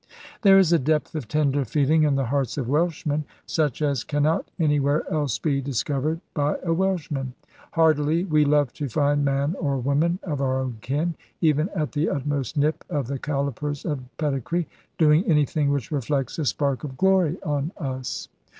There is a depth of tender feeling in the hearts of Welshmen, such as cannot anywhere else be discovered by a Welshman. Heartily we love to find man or woman of our own kin (even at the utmost nip of the calipers of pedigree) doing anything which reflects a spark of glory on us.